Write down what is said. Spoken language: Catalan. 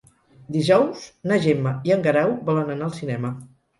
Dijous na Gemma i en Guerau volen anar al cinema.